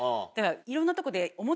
いろんなとこで。